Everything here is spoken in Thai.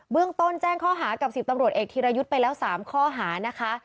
เรื่องต้นแจ้งข้อหากับ๑๐ตำรวจเอกธีรยุทธ์ไปแล้ว๓ข้อหานะคะ